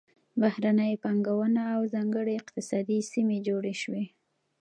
بهرنۍ پانګونه او ځانګړې اقتصادي سیمې جوړې شوې.